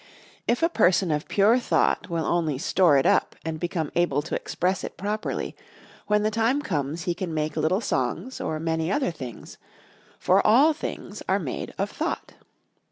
If a person of pure thought will only store it up and become able to express it properly, when the time comes he can make little songs or many other things; for all things are made of thought.